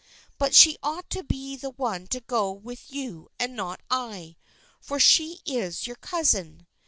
But she ought to be the one to go with you and not I, for she is your cousin.